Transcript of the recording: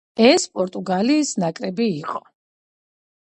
ეს პორტუგალიის ნაკრები იყო.